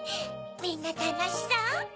みんなたのしそう。